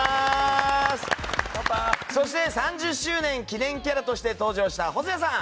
そして３０周年記念キャラとして登場した細谷さん。